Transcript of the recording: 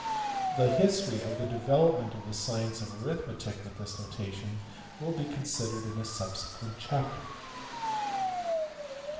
The history of the develop ment of the science of arithmetic with this notation will be considered in a subsequent chapter (ch.